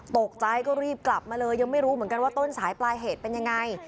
ตกใจก็รีบกลับมาเลยยังไม่รู้เหมือนกันว่าต้นสายปลายเหตุเป็นยังไง